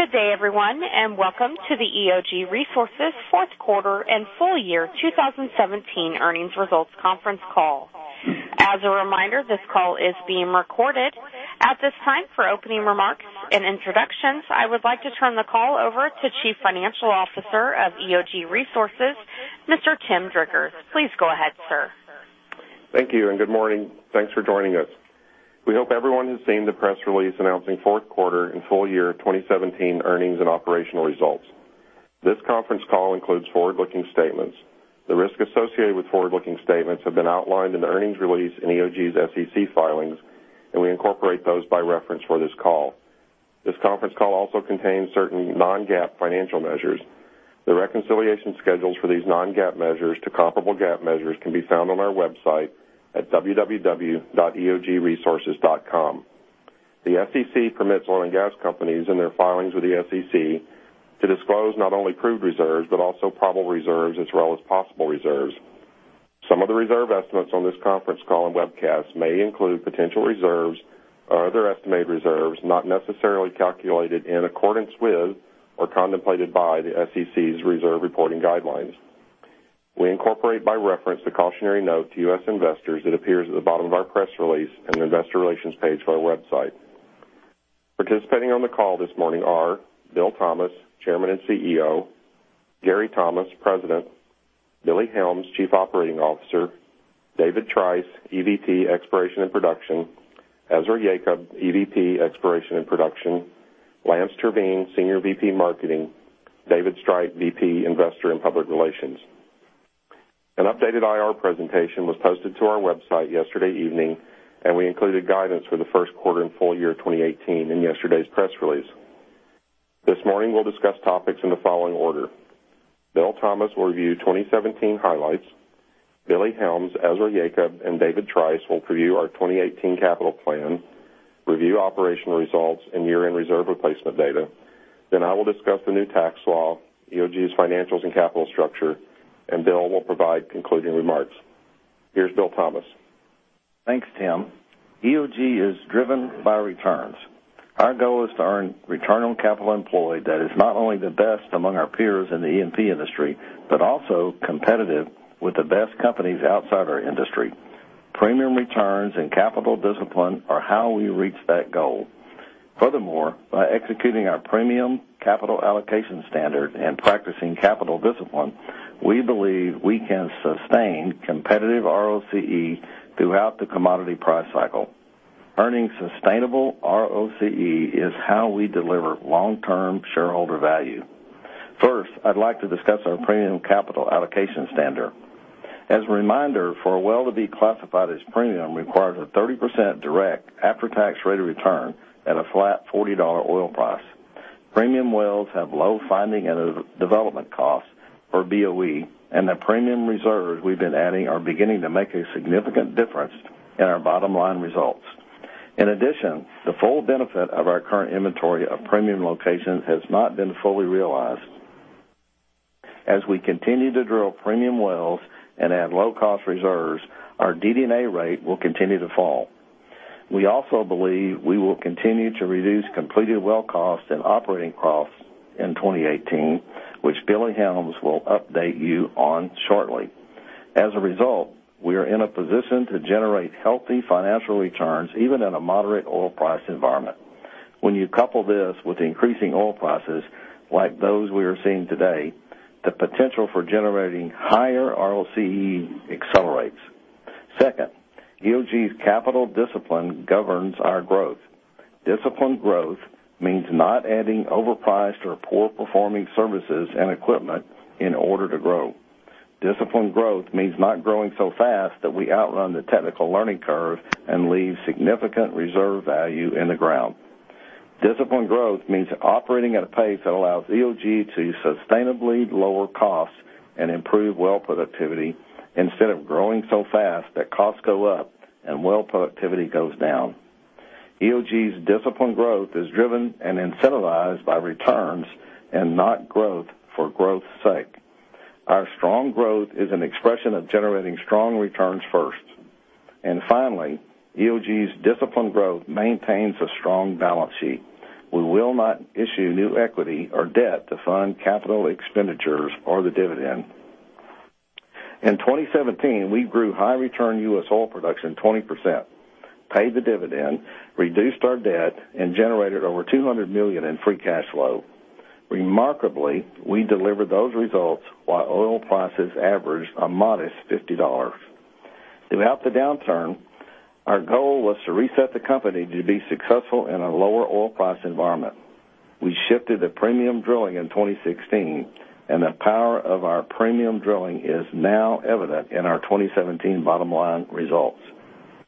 Good day everyone, and welcome to the EOG Resources fourth quarter and full year 2017 earnings results conference call. As a reminder, this call is being recorded. At this time, for opening remarks and introductions, I would like to turn the call over to Chief Financial Officer of EOG Resources, Mr. Tim Driggers. Please go ahead, sir. Thank you, and good morning. Thanks for joining us. We hope everyone has seen the press release announcing fourth quarter and full year 2017 earnings and operational results. This conference call includes forward-looking statements. The risks associated with forward-looking statements have been outlined in the earnings release in EOG's SEC filings, and we incorporate those by reference for this call. This conference call also contains certain non-GAAP financial measures. The reconciliation schedules for these non-GAAP measures to comparable GAAP measures can be found on our website at www.eogresources.com. The SEC permits oil and gas companies in their filings with the SEC to disclose not only proved reserves, but also probable reserves as well as possible reserves. Some of the reserve estimates on this conference call and webcast may include potential reserves or other estimated reserves not necessarily calculated in accordance with or contemplated by the SEC's reserve reporting guidelines. We incorporate by reference the cautionary note to U.S. investors that appears at the bottom of our press release in the investor relations page for our website. Participating on the call this morning are Bill Thomas, Chairman and CEO; Gary Thomas, President; Billy Helms, Chief Operating Officer; David Trice, EVP, Exploration and Production; Ezra Yacob, EVP, Exploration and Production; Lance Terveen, Senior VP, Marketing; David Streit, VP, Investor and Public Relations. An updated IR presentation was posted to our website yesterday evening. We included guidance for the first quarter and full year 2018 in yesterday's press release. This morning, we'll discuss topics in the following order. Bill Thomas will review 2017 highlights. Billy Helms, Ezra Yacob, and David Trice will preview our 2018 capital plan, review operational results, and year-end reserve replacement data. I will discuss the new tax law, EOG's financials and capital structure, and Bill will provide concluding remarks. Here's Bill Thomas. Thanks, Tim. EOG is driven by returns. Our goal is to earn return on capital employed that is not only the best among our peers in the E&P industry, but also competitive with the best companies outside our industry. Premium returns and capital discipline are how we reach that goal. Furthermore, by executing our premium capital allocation standard and practicing capital discipline, we believe we can sustain competitive ROCE throughout the commodity price cycle. Earning sustainable ROCE is how we deliver long-term shareholder value. First, I'd like to discuss our premium capital allocation standard. As a reminder, for a well to be classified as premium requires a 30% direct after-tax rate of return at a flat $40 oil price. Premium wells have low finding and development costs for BOE, and the premium reserves we've been adding are beginning to make a significant difference in our bottom-line results. In addition, the full benefit of our current inventory of premium locations has not been fully realized. As we continue to drill premium wells and add low-cost reserves, our DD&A rate will continue to fall. We also believe we will continue to reduce completed well costs and operating costs in 2018, which Billy Helms will update you on shortly. As a result, we are in a position to generate healthy financial returns even in a moderate oil price environment. When you couple this with increasing oil prices like those we are seeing today, the potential for generating higher ROCE accelerates. Second, EOG's capital discipline governs our growth. Disciplined growth means not adding overpriced or poor performing services and equipment in order to grow. Disciplined growth means not growing so fast that we outrun the technical learning curve and leave significant reserve value in the ground. Disciplined growth means operating at a pace that allows EOG to sustainably lower costs and improve well productivity instead of growing so fast that costs go up and well productivity goes down. EOG's disciplined growth is driven and incentivized by returns and not growth for growth's sake. Our strong growth is an expression of generating strong returns first. Finally, EOG's disciplined growth maintains a strong balance sheet. We will not issue new equity or debt to fund capital expenditures or the dividend. In 2017, we grew high-return U.S. oil production 20%, paid the dividend, reduced our debt, and generated over $200 million in free cash flow. Remarkably, we delivered those results while oil prices averaged a modest $50. Throughout the downturn, our goal was to reset the company to be successful in a lower oil price environment. We shifted to premium drilling in 2016, and the power of our premium drilling is now evident in our 2017 bottom-line results.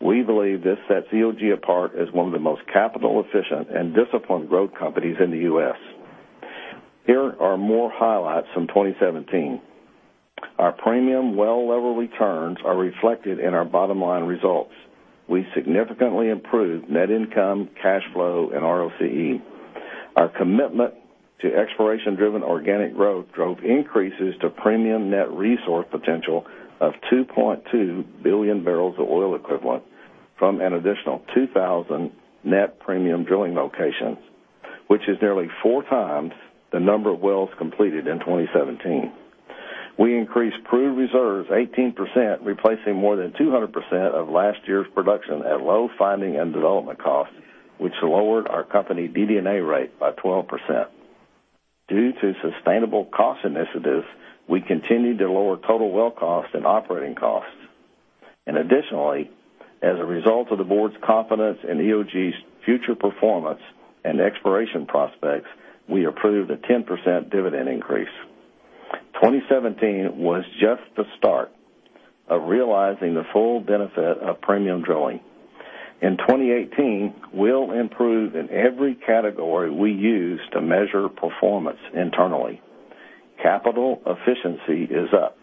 We believe this sets EOG apart as one of the most capital-efficient and disciplined growth companies in the U.S. Here are more highlights from 2017. Our premium well-level returns are reflected in our bottom-line results. We significantly improved net income, cash flow, and ROCE. Our commitment to exploration-driven organic growth drove increases to premium net resource potential of 2.2 billion barrels of oil equivalent from an additional 2,000 net premium drilling locations, which is nearly four times the number of wells completed in 2017. We increased proved reserves 18%, replacing more than 200% of last year's production at low finding and development costs, which lowered our company DD&A rate by 12%. Due to sustainable cost initiatives, we continued to lower total well cost and operating costs. Additionally, as a result of the board's confidence in EOG's future performance and exploration prospects, we approved a 10% dividend increase. 2017 was just the start of realizing the full benefit of premium drilling. In 2018, we'll improve in every category we use to measure performance internally. Capital efficiency is up.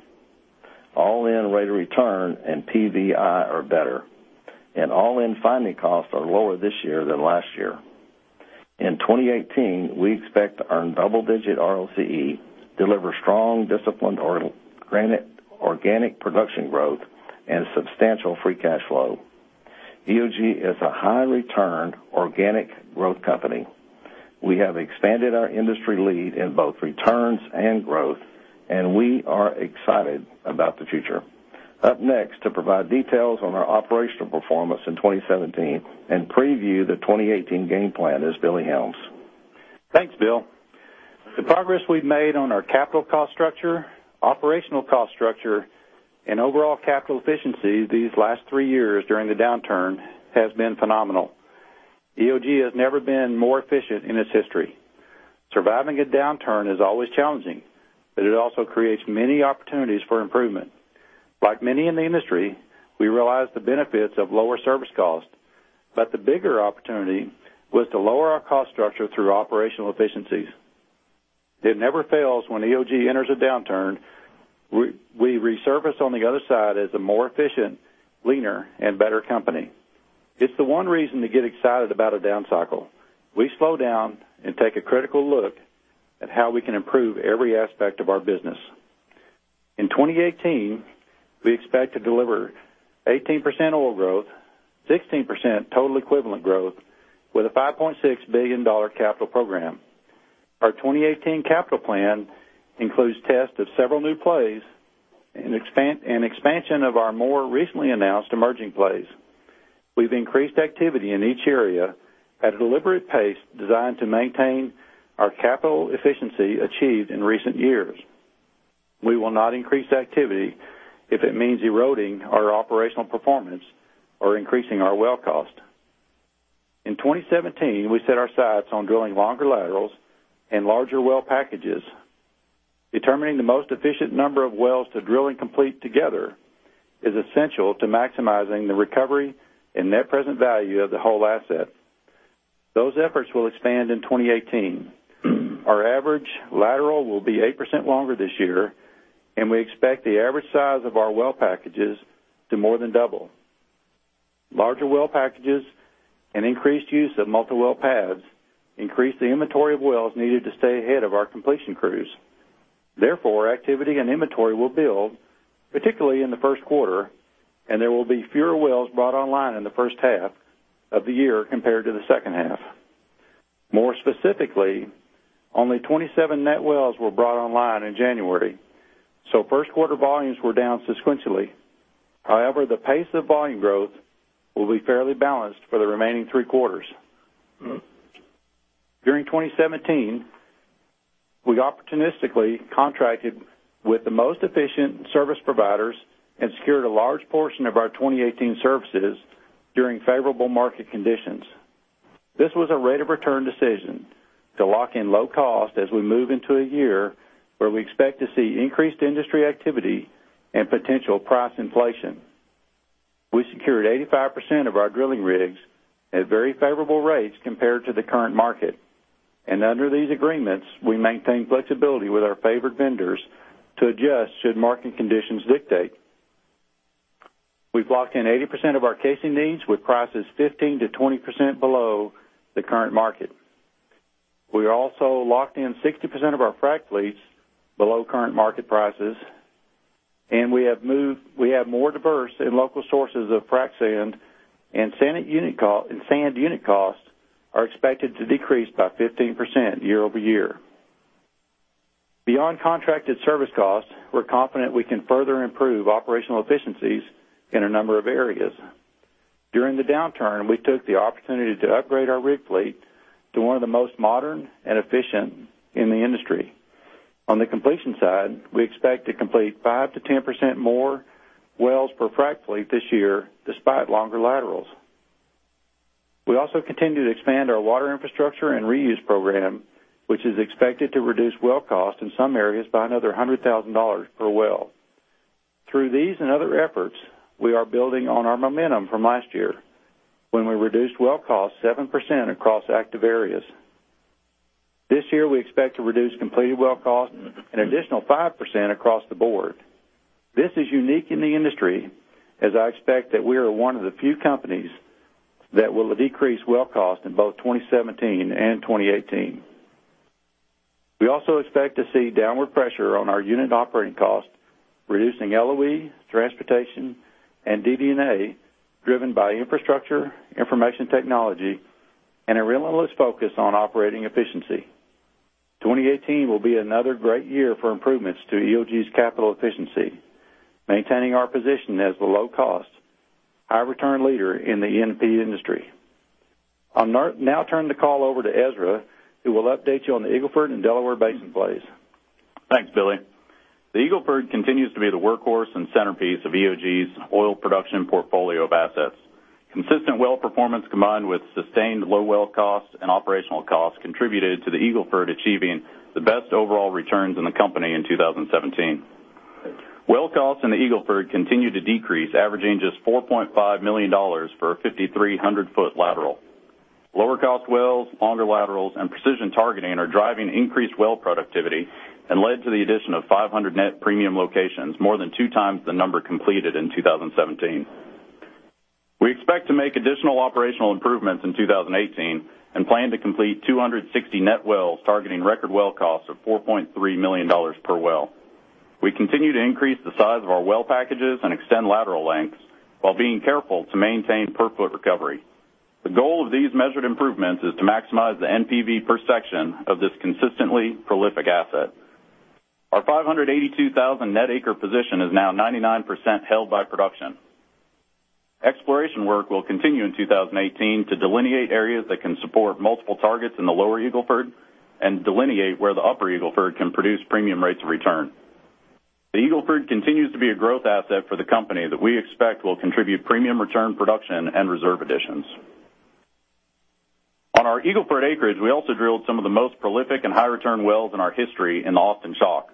All-in rate of return and PVI are better, and all-in finding costs are lower this year than last year. In 2018, we expect to earn double-digit ROCE, deliver strong, disciplined organic production growth, and substantial free cash flow. EOG is a high return, organic growth company. We have expanded our industry lead in both returns and growth, and we are excited about the future. Up next to provide details on our operational performance in 2017 and preview the 2018 game plan is Billy Helms. Thanks, Bill. The progress we've made on our capital cost structure, operational cost structure, and overall capital efficiency these last three years during the downturn has been phenomenal. EOG has never been more efficient in its history. Surviving a downturn is always challenging, but it also creates many opportunities for improvement. Like many in the industry, we realize the benefits of lower service cost, but the bigger opportunity was to lower our cost structure through operational efficiencies. It never fails when EOG enters a downturn, we resurface on the other side as a more efficient, leaner, and better company. It's the one reason to get excited about a down cycle. We slow down and take a critical look at how we can improve every aspect of our business. In 2018, we expect to deliver 18% oil growth, 16% total equivalent growth, with a $5.6 billion capital program. Our 2018 capital plan includes tests of several new plays and expansion of our more recently announced emerging plays. We've increased activity in each area at a deliberate pace designed to maintain our capital efficiency achieved in recent years. We will not increase activity if it means eroding our operational performance or increasing our well cost. In 2017, we set our sights on drilling longer laterals and larger well packages. Determining the most efficient number of wells to drill and complete together is essential to maximizing the recovery and net present value of the whole asset. Those efforts will expand in 2018. Our average lateral will be 8% longer this year, and we expect the average size of our well packages to more than double. Larger well packages and increased use of multi-well pads increase the inventory of wells needed to stay ahead of our completion crews. Therefore, activity and inventory will build, particularly in the first quarter, and there will be fewer wells brought online in the first half of the year compared to the second half. More specifically, only 27 net wells were brought online in January, so first quarter volumes were down sequentially. However, the pace of volume growth will be fairly balanced for the remaining three quarters. During 2017, we opportunistically contracted with the most efficient service providers and secured a large portion of our 2018 services during favorable market conditions. This was a rate of return decision to lock in low cost as we move into a year where we expect to see increased industry activity and potential price inflation. We secured 85% of our drilling rigs at very favorable rates compared to the current market. Under these agreements, we maintain flexibility with our favored vendors to adjust should market conditions dictate. We've locked in 80% of our casing needs with prices 15%-20% below the current market. We also locked in 60% of our frac fleets below current market prices. We have more diverse and local sources of frac sand, and sand unit costs are expected to decrease by 15% year-over-year. Beyond contracted service costs, we're confident we can further improve operational efficiencies in a number of areas. During the downturn, we took the opportunity to upgrade our rig fleet to one of the most modern and efficient in the industry. On the completion side, we expect to complete 5%-10% more wells per frac fleet this year, despite longer laterals. We also continue to expand our water infrastructure and reuse program, which is expected to reduce well cost in some areas by another $100,000 per well. Through these and other efforts, we are building on our momentum from last year when we reduced well cost 7% across active areas. This year, we expect to reduce completed well cost an additional 5% across the board. This is unique in the industry, as I expect that we are one of the few companies that will decrease well cost in both 2017 and 2018. We also expect to see downward pressure on our unit operating costs, reducing LOE, transportation, and DD&A, driven by infrastructure, information technology, and a relentless focus on operating efficiency. 2018 will be another great year for improvements to EOG Resources's capital efficiency, maintaining our position as the low-cost, high-return leader in the E&P industry. I'll now turn the call over to Ezra, who will update you on the Eagle Ford and Delaware Basin plays. Thanks, Billy. The Eagle Ford continues to be the workhorse and centerpiece of EOG Resources's oil production portfolio of assets. Consistent well performance, combined with sustained low well costs and operational costs, contributed to the Eagle Ford achieving the best overall returns in the company in 2017. Well costs in the Eagle Ford continue to decrease, averaging just $4.5 million for a 5,300-foot lateral. Lower cost wells, longer laterals, and precision targeting are driving increased well productivity and led to the addition of 500 net premium locations, more than two times the number completed in 2017. We expect to make additional operational improvements in 2018 and plan to complete 260 net wells targeting record well costs of $4.3 million per well. We continue to increase the size of our well packages and extend lateral lengths while being careful to maintain per-foot recovery. The goal of these measured improvements is to maximize the NPV per section of this consistently prolific asset. Our 582,000 net acre position is now 99% held by production. Exploration work will continue in 2018 to delineate areas that can support multiple targets in the lower Eagle Ford and delineate where the upper Eagle Ford can produce premium rates of return. The Eagle Ford continues to be a growth asset for the company that we expect will contribute premium return production and reserve additions. On our Eagle Ford acreage, we also drilled some of the most prolific and high-return wells in our history in the Austin Chalk.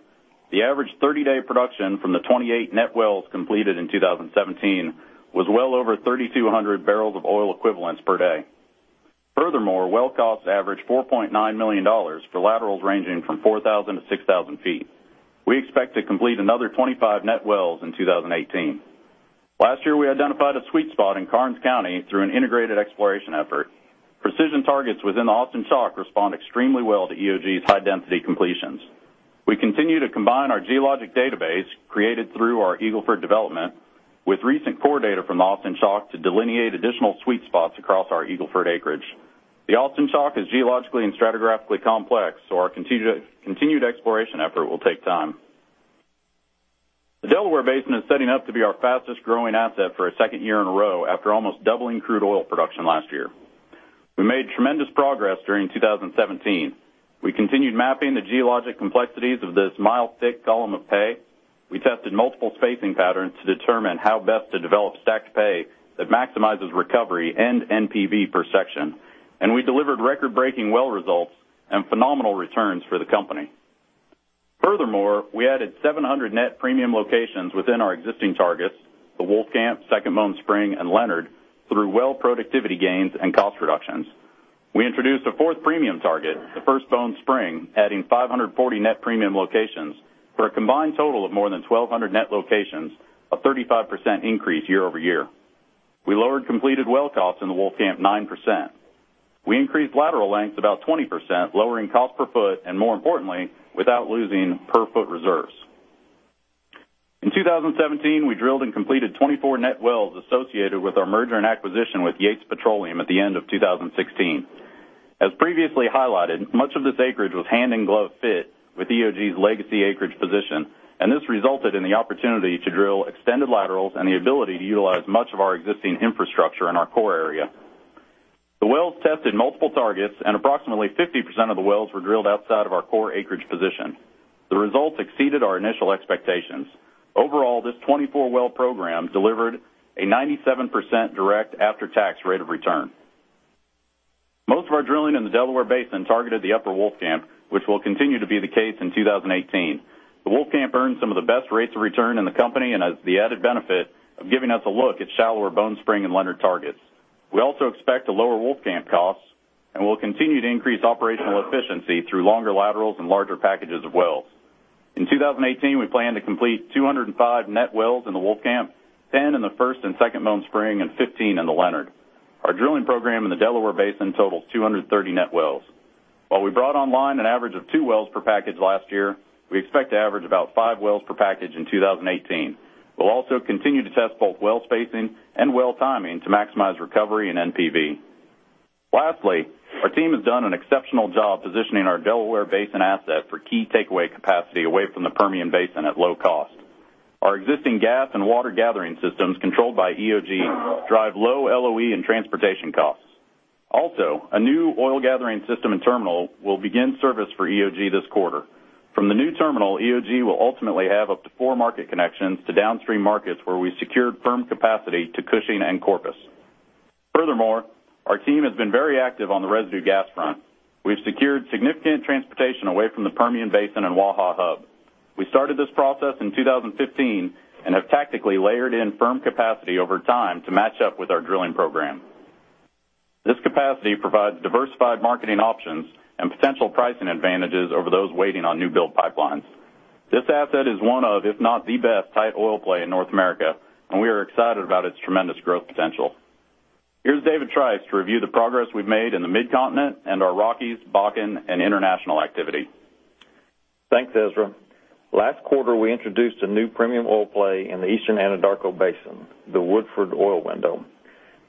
The average 30-day production from the 28 net wells completed in 2017 was well over 3,200 barrels of oil equivalents per day. Furthermore, well costs averaged $4.9 million for laterals ranging from 4,000 to 6,000 feet. We expect to complete another 25 net wells in 2018. Last year, we identified a sweet spot in Karnes County through an integrated exploration effort. Precision targets within the Austin Chalk respond extremely well to EOG's high-density completions. We continue to combine our geologic database, created through our Eagle Ford development, with recent core data from Austin Chalk to delineate additional sweet spots across our Eagle Ford acreage. The Austin Chalk is geologically and stratigraphically complex, so our continued exploration effort will take time. The Delaware Basin is setting up to be our fastest-growing asset for a second year in a row after almost doubling crude oil production last year. We made tremendous progress during 2017. We continued mapping the geologic complexities of this mile-thick column of pay. We tested multiple spacing patterns to determine how best to develop stacked pay that maximizes recovery and NPV per section. We delivered record-breaking well results and phenomenal returns for the company. Furthermore, we added 700 net premium locations within our existing targets, the Wolfcamp, Second Bone Spring, and Leonard, through well productivity gains and cost reductions. We introduced a fourth premium target, the First Bone Spring, adding 540 net premium locations for a combined total of more than 1,200 net locations, a 35% increase year over year. We lowered completed well costs in the Wolfcamp 9%. We increased lateral lengths about 20%, lowering cost per foot, and more importantly, without losing per-foot reserves. In 2017, we drilled and completed 24 net wells associated with our merger and acquisition with Yates Petroleum at the end of 2016. As previously highlighted, much of this acreage was hand-in-glove fit with EOG's legacy acreage position, and this resulted in the opportunity to drill extended laterals and the ability to utilize much of our existing infrastructure in our core area. The wells tested multiple targets, and approximately 50% of the wells were drilled outside of our core acreage position. The results exceeded our initial expectations. Overall, this 24-well program delivered a 97% direct after-tax rate of return. Most of our drilling in the Delaware Basin targeted the upper Wolfcamp, which will continue to be the case in 2018. The Wolfcamp earned some of the best rates of return in the company and has the added benefit of giving us a look at shallower Bone Spring and Leonard targets. We also expect to lower Wolfcamp costs, and we'll continue to increase operational efficiency through longer laterals and larger packages of wells. In 2018, we plan to complete 205 net wells in the Wolfcamp, 10 in the First and Second Bone Spring, and 15 in the Leonard. Our drilling program in the Delaware Basin totals 230 net wells. While we brought online an average of two wells per package last year, we expect to average about five wells per package in 2018. We'll also continue to test both well spacing and well timing to maximize recovery and NPV. Lastly, our team has done an exceptional job positioning our Delaware Basin asset for key takeaway capacity away from the Permian Basin at low cost. Our existing gas and water gathering systems, controlled by EOG, drive low LOE and transportation costs. Also, a new oil gathering system and terminal will begin service for EOG this quarter. From the new terminal, EOG will ultimately have up to four market connections to downstream markets, where we secured firm capacity to Cushing and Corpus. Our team has been very active on the residue gas front. We've secured significant transportation away from the Permian Basin and WAHA hub. We started this process in 2015 and have tactically layered in firm capacity over time to match up with our drilling program. This capacity provides diversified marketing options and potential pricing advantages over those waiting on new build pipelines. This asset is one of, if not the best, tight oil play in North America, and we are excited about its tremendous growth potential. Here's David Trice to review the progress we've made in the Mid-Continent and our Rockies Bakken and international activity. Thanks, Ezra. Last quarter, we introduced a new premium oil play in the Eastern Anadarko Basin, the Woodford Oil Window.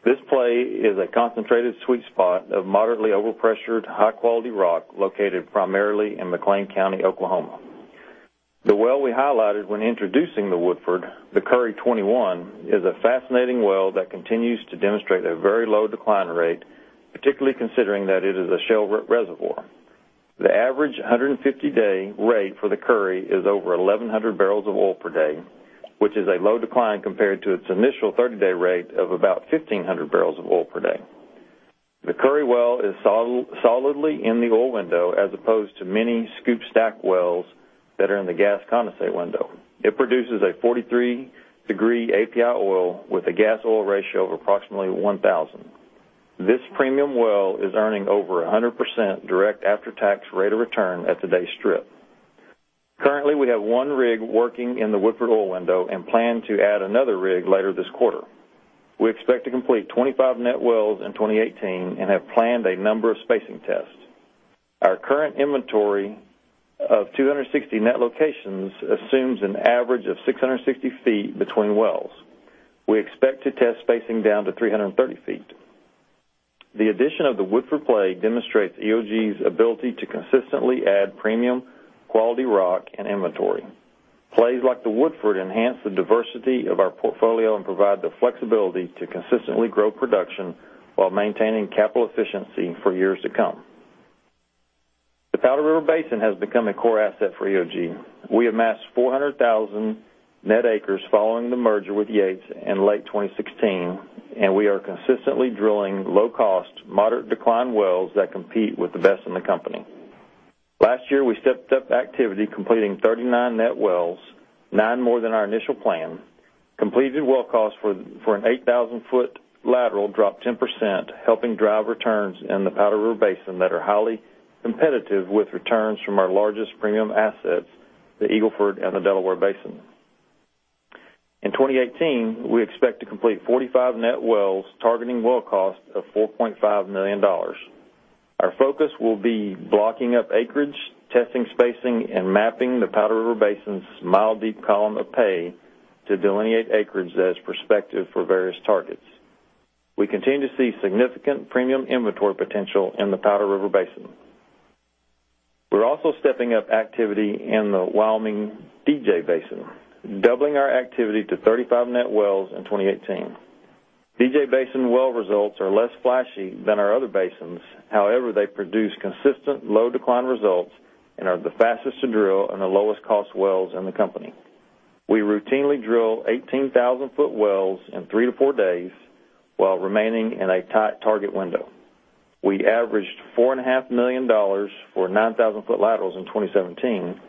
This play is a concentrated sweet spot of moderately overpressured high-quality rock located primarily in McClain County, Oklahoma. The well we highlighted when introducing the Woodford, the Curry 21, is a fascinating well that continues to demonstrate a very low decline rate, particularly considering that it is a shale reservoir. The average 150-day rate for the Curry is over 1,100 barrels of oil per day, which is a low decline compared to its initial 30-day rate of about 1,500 barrels of oil per day. The Curry well is solidly in the oil window, as opposed to many SCOOP/STACK wells that are in the gas condensate window. It produces a 43-degree API oil with a gas oil ratio of approximately 1,000. This premium well is earning over 100% direct after-tax rate of return at today's strip. Currently, we have one rig working in the Woodford Oil Window and plan to add another rig later this quarter. We expect to complete 25 net wells in 2018 and have planned a number of spacing tests. Our current inventory of 260 net locations assumes an average of 660 feet between wells. We expect to test spacing down to 330 feet. The addition of the Woodford play demonstrates EOG's ability to consistently add premium quality rock and inventory. Plays like the Woodford enhance the diversity of our portfolio and provide the flexibility to consistently grow production while maintaining capital efficiency for years to come. The Powder River Basin has become a core asset for EOG. We amassed 400,000 net acres following the merger with Yates Petroleum in late 2016. We are consistently drilling low-cost, moderate decline wells that compete with the best in the company. Last year, we stepped up activity, completing 39 net wells, nine more than our initial plan. Completed well costs for an 8,000-foot lateral dropped 10%, helping drive returns in the Powder River Basin that are highly competitive with returns from our largest premium assets, the Eagle Ford and the Delaware Basin. In 2018, we expect to complete 45 net wells, targeting well cost of $4.5 million. Our focus will be blocking up acreage, testing, spacing, and mapping the Powder River Basin's mile deep column of pay to delineate acreage that is prospective for various targets. We continue to see significant premium inventory potential in the Powder River Basin. We're also stepping up activity in the Wyoming DJ Basin, doubling our activity to 35 net wells in 2018. DJ Basin well results are less flashy than our other basins. However, they produce consistent low decline results and are the fastest to drill and the lowest cost wells in the company. We routinely drill 18,000-foot wells in three to four days while remaining in a tight target window. We averaged $4.5 million for 9,000-foot laterals in 2017.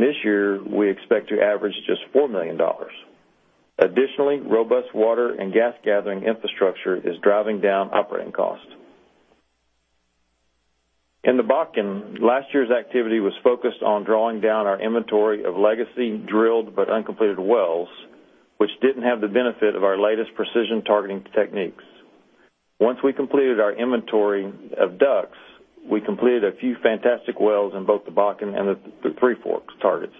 This year we expect to average just $4 million. Additionally, robust water and gas gathering infrastructure is driving down operating costs. In the Bakken, last year's activity was focused on drawing down our inventory of legacy drilled but uncompleted wells, which didn't have the benefit of our latest precision targeting techniques. Once we completed our inventory of DUCs, we completed a few fantastic wells in both the Bakken and the Three Forks targets.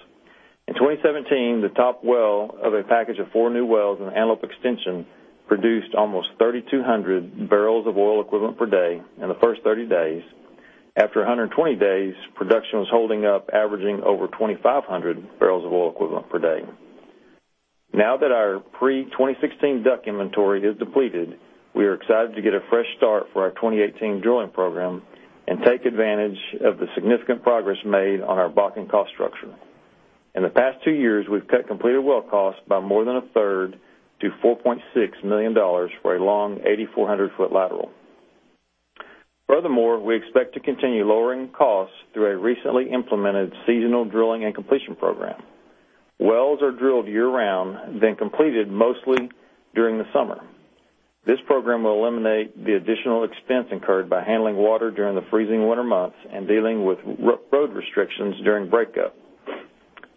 In 2017, the top well of a package of four new wells in the Antelope extension produced almost 3,200 barrels of oil equivalent per day in the first 30 days. After 120 days, production was holding up, averaging over 2,500 barrels of oil equivalent per day. Now that our pre-2016 DUC inventory is depleted, we are excited to get a fresh start for our 2018 drilling program and take advantage of the significant progress made on our Bakken cost structure. In the past two years, we've cut completed well costs by more than a third to $4.6 million for a long 8,400-foot lateral. Furthermore, we expect to continue lowering costs through a recently implemented seasonal drilling and completion program. Wells are drilled year-round, then completed mostly during the summer. This program will eliminate the additional expense incurred by handling water during the freezing winter months and dealing with road restrictions during breakup.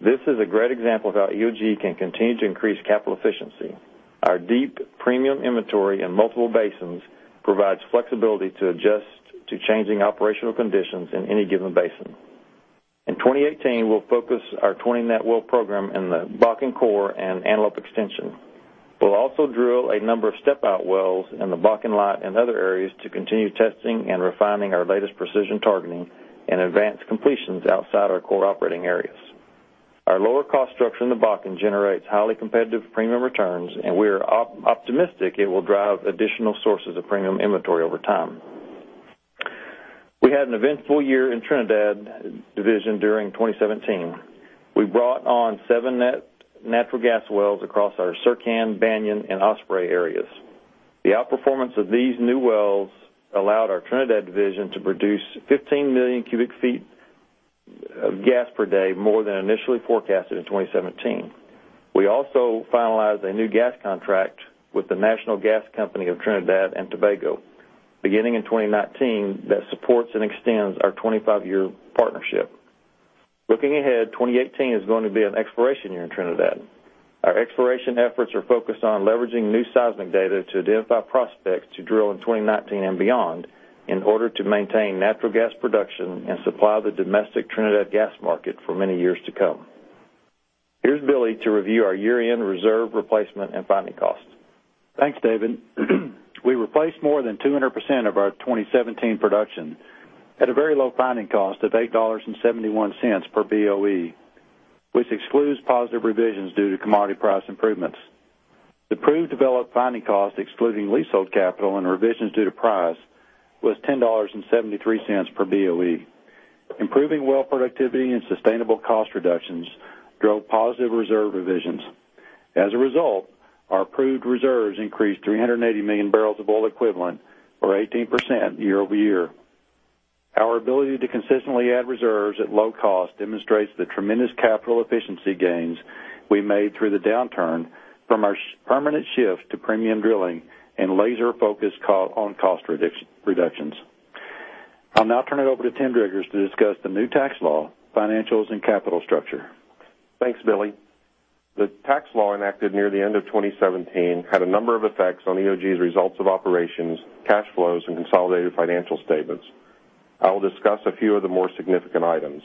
This is a great example of how EOG Resources can continue to increase capital efficiency. Our deep premium inventory in multiple basins provides flexibility to adjust to changing operational conditions in any given basin. In 2018, we'll focus our 20 net well program in the Bakken core and Antelope extension. We'll also drill a number of step-out wells in the Bakken Lite and other areas to continue testing and refining our latest precision targeting and advance completions outside our core operating areas. Our lower cost structure in the Bakken generates highly competitive premium returns, and we are optimistic it will drive additional sources of premium inventory over time. We had an eventful year in Trinidad division during 2017. We brought on seven net natural gas wells across our Sercan, Banyan, and Osprey areas. The outperformance of these new wells allowed our Trinidad division to produce 15 million cubic feet of gas per day, more than initially forecasted in 2017. We also finalized a new gas contract with the National Gas Company of Trinidad and Tobago, beginning in 2019, that supports and extends our 25-year partnership. Looking ahead, 2018 is going to be an exploration year in Trinidad. Our exploration efforts are focused on leveraging new seismic data to identify prospects to drill in 2019 and beyond in order to maintain natural gas production and supply the domestic Trinidad gas market for many years to come. Here's Billy to review our year-end reserve replacement and finding costs. Thanks, David. We replaced more than 200% of our 2017 production at a very low finding cost of $8.71 per BOE, which excludes positive revisions due to commodity price improvements. The proved developed finding cost, excluding leasehold capital and revisions due to price, was $10.73 per BOE. Improving well productivity and sustainable cost reductions drove positive reserve revisions. As a result, our proved reserves increased 380 million barrels of oil equivalent, or 18% year-over-year. Our ability to consistently add reserves at low cost demonstrates the tremendous capital efficiency gains we made through the downturn from our permanent shift to premium drilling and laser focus on cost reductions. I'll now turn it over to Tim Driggers to discuss the new tax law, financials, and capital structure. Thanks, Billy. The tax law enacted near the end of 2017 had a number of effects on EOG's results of operations, cash flows, and consolidated financial statements. I will discuss a few of the more significant items.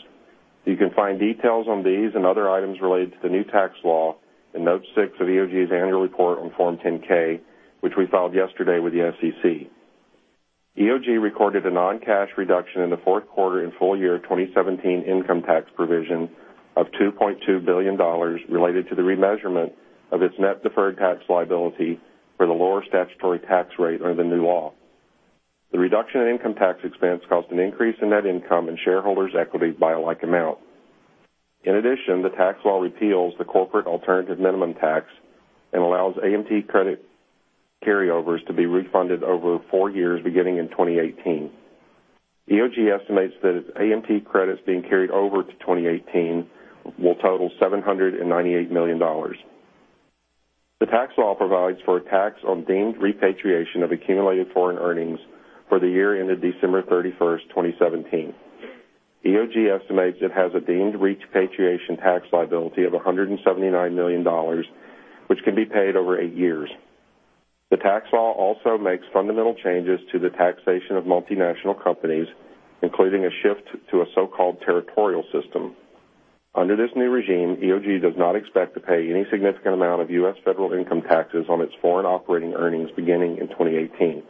You can find details on these and other items related to the new tax law in Note 6 of EOG's annual report on Form 10-K, which we filed yesterday with the SEC. EOG recorded a non-cash reduction in the fourth quarter and full year 2017 income tax provision of $2.2 billion related to the remeasurement of its net deferred tax liability for the lower statutory tax rate under the new law. The reduction in income tax expense caused an increase in net income and shareholders' equity by a like amount. In addition, the tax law repeals the corporate alternative minimum tax and allows AMT credit carryovers to be refunded over four years beginning in 2018. EOG estimates that its AMT credits being carried over to 2018 will total $798 million. The tax law provides for a tax on deemed repatriation of accumulated foreign earnings for the year ended December 31st, 2017. EOG estimates it has a deemed repatriation tax liability of $179 million, which can be paid over eight years. The tax law also makes fundamental changes to the taxation of multinational companies, including a shift to a so-called territorial system. Under this new regime, EOG does not expect to pay any significant amount of U.S. federal income taxes on its foreign operating earnings beginning in 2018.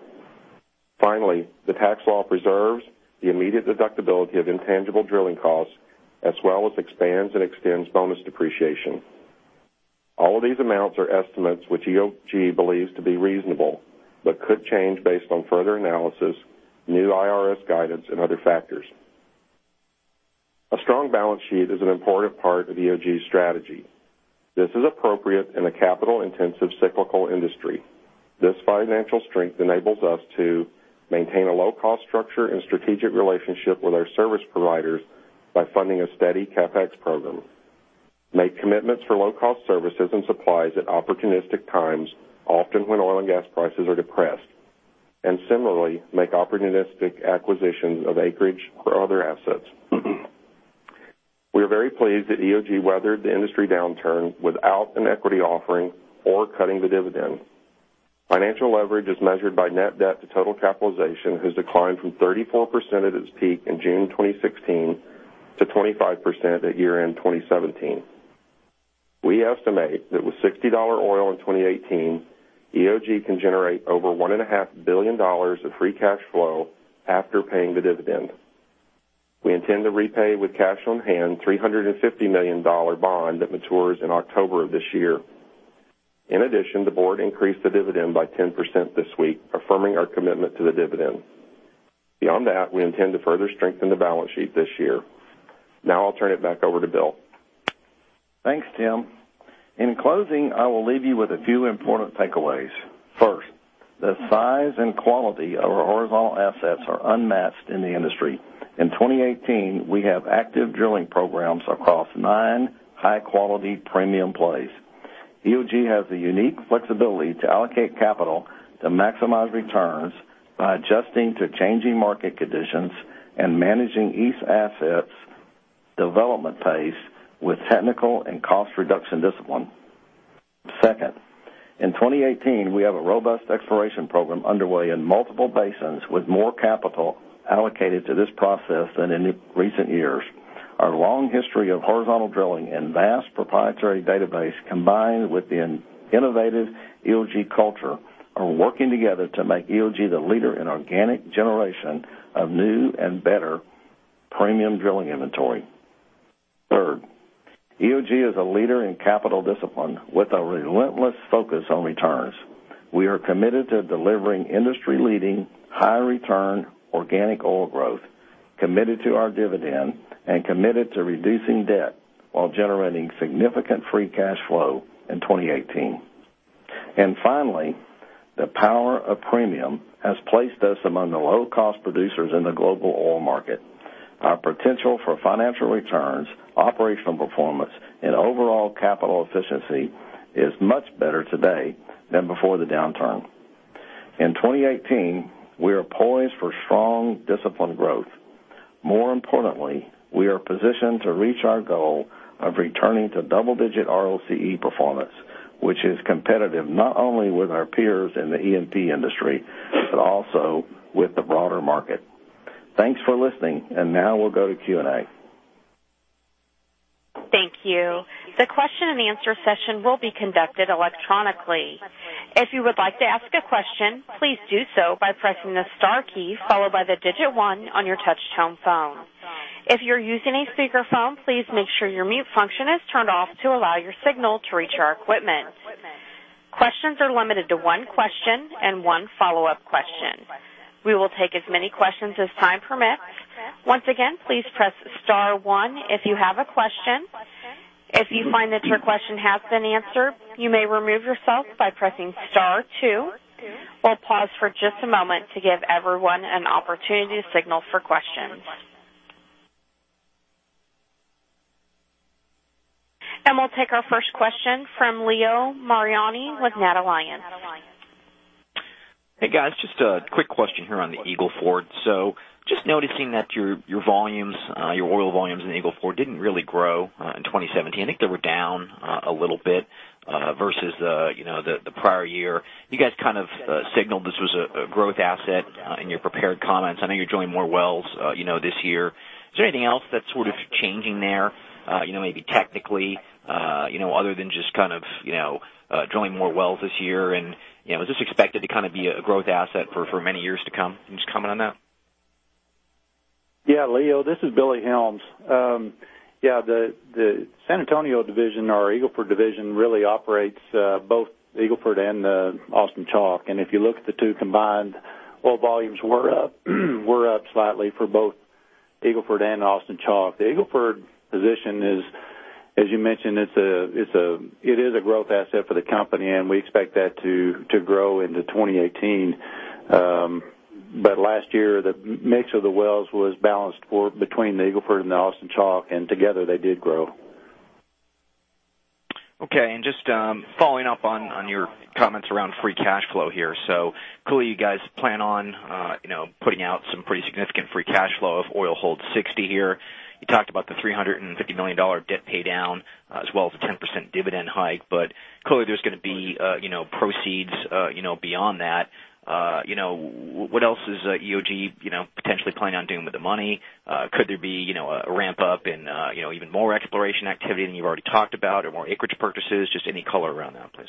Finally, the tax law preserves the immediate deductibility of intangible drilling costs, as well as expands and extends bonus depreciation. All of these amounts are estimates which EOG believes to be reasonable but could change based on further analysis, new IRS guidance, and other factors. A strong balance sheet is an important part of EOG's strategy. This is appropriate in a capital-intensive cyclical industry. This financial strength enables us to maintain a low-cost structure and strategic relationship with our service providers by funding a steady CapEx program, make commitments for low-cost services and supplies at opportunistic times, often when oil and gas prices are depressed, and similarly, make opportunistic acquisitions of acreage or other assets. We are very pleased that EOG weathered the industry downturn without an equity offering or cutting the dividend. Financial leverage, as measured by net debt to total capitalization, has declined from 34% at its peak in June 2016 to 25% at year-end 2017. We estimate that with $60 oil in 2018, EOG can generate over $1.5 billion of free cash flow after paying the dividend. We intend to repay with cash on hand a $350 million bond that matures in October of this year. In addition, the board increased the dividend by 10% this week, affirming our commitment to the dividend. Beyond that, we intend to further strengthen the balance sheet this year. Now I'll turn it back over to Bill. Thanks, Tim. In closing, I will leave you with a few important takeaways. First, the size and quality of our horizontal assets are unmatched in the industry. In 2018, we have active drilling programs across nine high-quality premium plays. EOG has the unique flexibility to allocate capital to maximize returns by adjusting to changing market conditions and managing each asset's development pace with technical and cost reduction discipline. Second, in 2018, we have a robust exploration program underway in multiple basins with more capital allocated to this process than in recent years. Our long history of horizontal drilling and vast proprietary database, combined with the innovative EOG culture, are working together to make EOG the leader in organic generation of new and better premium drilling inventory. Third, EOG is a leader in capital discipline with a relentless focus on returns. We are committed to delivering industry-leading, high return organic oil growth, committed to our dividend, and committed to reducing debt while generating significant free cash flow in 2018. Finally, the power of premium has placed us among the low-cost producers in the global oil market. Our potential for financial returns, operational performance, and overall capital efficiency is much better today than before the downturn. In 2018, we are poised for strong, disciplined growth. More importantly, we are positioned to reach our goal of returning to double-digit ROCE performance, which is competitive not only with our peers in the E&P industry, but also with the broader market. Thanks for listening. Now we'll go to Q&A. Thank you. The question and answer session will be conducted electronically. If you would like to ask a question, please do so by pressing the star key, followed by the digit 1 on your touch-tone phone. If you're using a speakerphone, please make sure your mute function is turned off to allow your signal to reach our equipment. Questions are limited to one question and one follow-up question. We will take as many questions as time permits. Once again, please press star one if you have a question. If you find that your question has been answered, you may remove yourself by pressing star two. We'll pause for just a moment to give everyone an opportunity to signal for questions. We'll take our first question from Leo Mariani with NatAlliance. Hey, guys. Just a quick question here on the Eagle Ford. Just noticing that your oil volumes in Eagle Ford didn't really grow in 2017. I think they were down a little bit versus the prior year. You guys kind of signaled this was a growth asset in your prepared comments. I know you're drilling more wells this year. Is there anything else that's sort of changing there maybe technically other than just kind of drilling more wells this year? Was this expected to be a growth asset for many years to come? Any comment on that? Yeah, Leo, this is Billy Helms. Yeah, the San Antonio division, our Eagle Ford division, really operates both Eagle Ford and the Austin Chalk. If you look at the two combined, oil volumes were up slightly for both Eagle Ford and Austin Chalk. The Eagle Ford position is, as you mentioned, it is a growth asset for the company, and we expect that to grow into 2018. Last year, the mix of the wells was balanced between the Eagle Ford and the Austin Chalk, and together they did grow. Okay, just following up on your comments around free cash flow here. Clearly, you guys plan on putting out some pretty significant free cash flow if oil holds $60 here. You talked about the $350 million debt paydown as well as a 10% dividend hike, clearly, there's going to be proceeds beyond that. What else does EOG potentially plan on doing with the money? Could there be a ramp-up in even more exploration activity than you've already talked about or more acreage purchases? Just any color around that, please.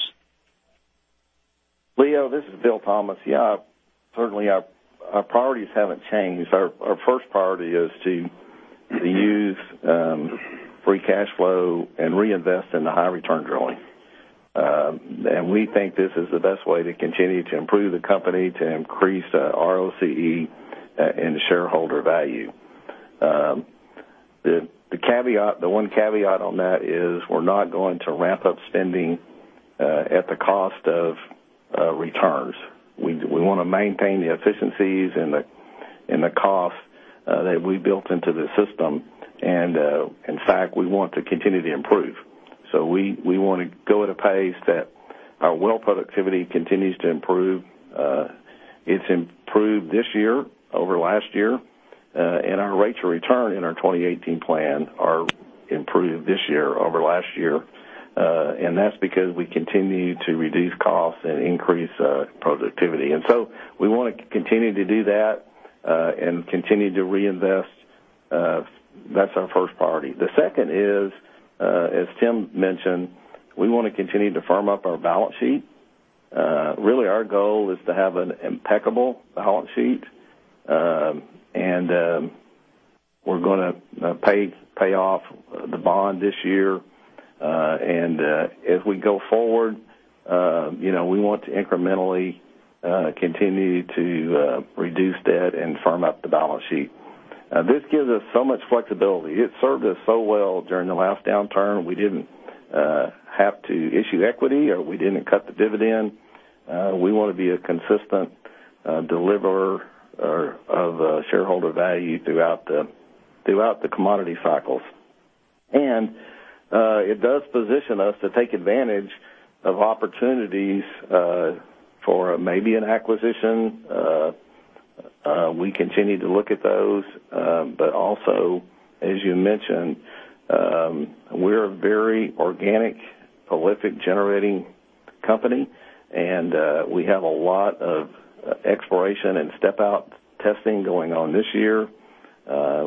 Leo, this is Bill Thomas. Certainly our priorities haven't changed. Our first priority is to use free cash flow and reinvest in the high return drilling. We think this is the best way to continue to improve the company, to increase ROCE and shareholder value. The one caveat on that is we're not going to ramp up spending at the cost of returns. We want to maintain the efficiencies and the cost that we built into the system. In fact, we want to continue to improve. We want to go at a pace that our well productivity continues to improve. It's improved this year over last year. Our rates of return in our 2018 plan are improved this year over last year. That's because we continue to reduce costs and increase productivity. We want to continue to do that, and continue to reinvest. That's our first priority. The second is, as Tim mentioned, we want to continue to firm up our balance sheet. Really, our goal is to have an impeccable balance sheet, we're going to pay off the bond this year. As we go forward we want to incrementally continue to reduce debt and firm up the balance sheet. This gives us so much flexibility. It served us so well during the last downturn. We didn't have to issue equity, we didn't cut the dividend. We want to be a consistent deliverer of shareholder value throughout the commodity cycles. It does position us to take advantage of opportunities for maybe an acquisition. We continue to look at those. Also, as you mentioned, we're a very organic, prolific generating company, we have a lot of exploration and step-out testing going on this year.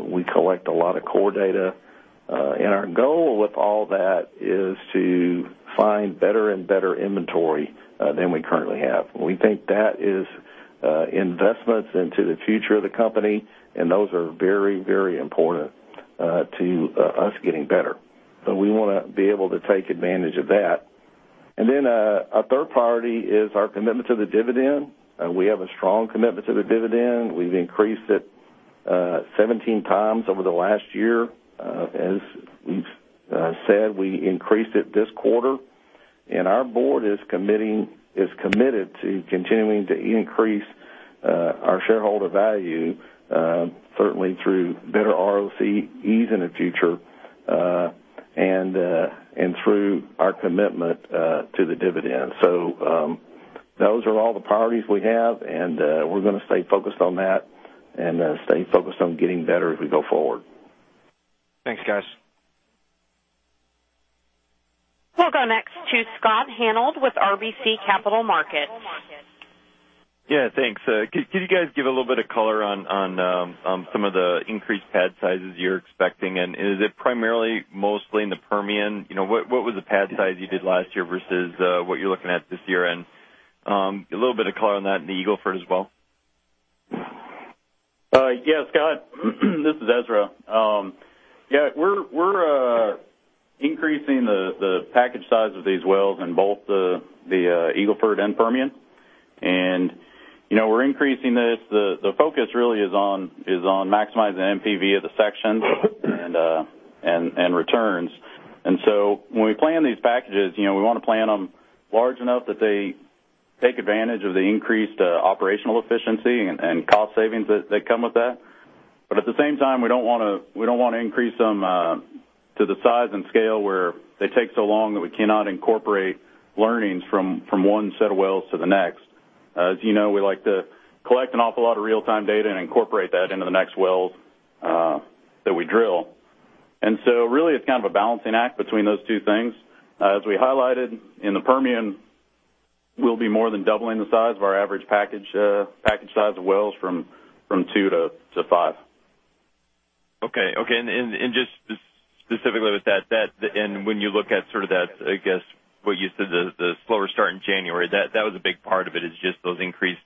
We collect a lot of core data. Our goal with all that is to find better and better inventory than we currently have. We think that is investments into the future of the company, those are very, very important to us getting better. We want to be able to take advantage of that. Our third priority is our commitment to the dividend. We have a strong commitment to the dividend. We've increased it 17 times over the last year. As we've said, we increased it this quarter, our board is committed to continuing to increase Our shareholder value certainly through better ROCEs in the future and through our commitment to the dividend. Those are all the priorities we have, and we're going to stay focused on that and stay focused on getting better as we go forward. Thanks, guys. We'll go next to Scott Hanold with RBC Capital Markets. Yeah, thanks. Could you guys give a little bit of color on some of the increased pad sizes you're expecting? Is it primarily mostly in the Permian? What was the pad size you did last year versus what you're looking at this year? A little bit of color on that in the Eagle Ford as well. Scott, this is Ezra. We're increasing the package size of these wells in both the Eagle Ford and Permian. We're increasing this. The focus really is on maximizing the NPV of the sections and returns. When we plan these packages, we want to plan them large enough that they take advantage of the increased operational efficiency and cost savings that come with that. At the same time, we don't want to increase them to the size and scale where they take so long that we cannot incorporate learnings from one set of wells to the next. As you know, we like to collect an awful lot of real-time data and incorporate that into the next wells that we drill. Really, it's kind of a balancing act between those two things. As we highlighted, in the Permian, we'll be more than doubling the size of our average package size of wells from two to five. Okay. Just specifically with that, and when you look at sort of that, I guess, what you said, the slower start in January, that was a big part of it, is just those increased